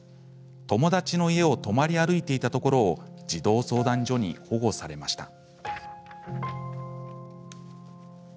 友達の家を泊まり歩いていたところを児童相談所に保護されました。